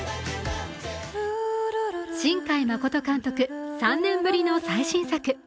新海誠監督３年ぶりの最新作。